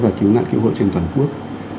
và cứu nạn cứu hộ trên toàn quốc